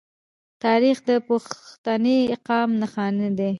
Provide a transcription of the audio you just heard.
تاریخ د پښتني قام نښان دی.